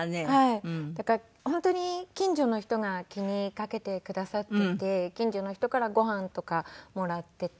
だから本当に近所の人が気にかけてくださっていて近所の人からご飯とかもらってて。